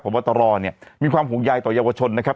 บอตรเนี่ยมีความห่วงใยต่อเยาวชนนะครับ